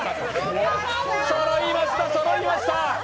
そろいました、そろいました。